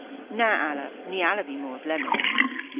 Na allav. Ny allav vy mos lemmyn.